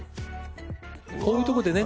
こういうとこでね